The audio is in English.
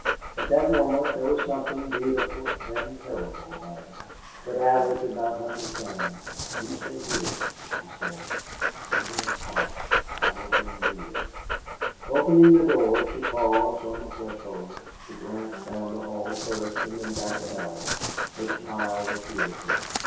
At that moment there was something beautiful and terrible about her. But Allie could not understand. "You stay here," she said. "Be very quiet... I will bring Neale." Opening the door, she paused on the threshold, to glance down the hall first, and then back to Allie. Her smile was beautiful.